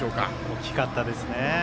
大きかったですね。